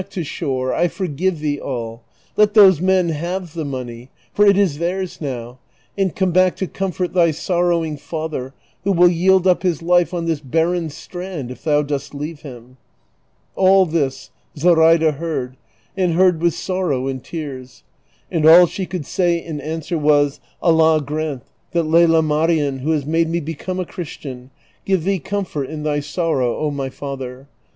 355 to shore ; I forgive thee all ; let those men have the money, for it is theirs now, and come back to comfort thy sorrowing father, Avho will yield up his life on this barren strand it'thon dost leave him." All this Zoraida heard, and heard with sorrow and tears, and all she could say in answer was, " Allah grant that Lela JVlarien, who has made me become a Christian, give thee comfort in thy sorrow, () my father.